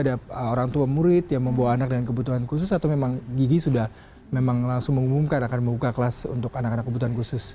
ada orang tua murid yang membawa anak dengan kebutuhan khusus atau memang gigi sudah memang langsung mengumumkan akan membuka kelas untuk anak anak kebutuhan khusus